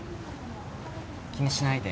気にしないで。